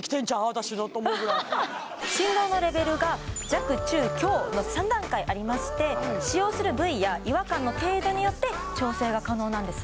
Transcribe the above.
私のと思うぐらい振動のレベルが弱・中・強の３段階ありまして使用する部位や違和感の程度によって調整が可能なんです